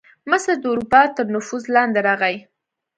مصر د اروپا تر نفوذ لاندې راغی.